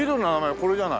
これじゃない？